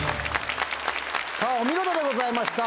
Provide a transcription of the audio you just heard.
さぁお見事でございました